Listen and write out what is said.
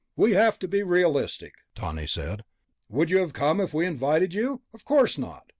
"We have to be realistic," Tawney said. "Would you have come if we invited you? Of course not.